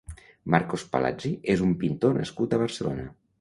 Marcos Palazzi és un pintor nascut a Barcelona.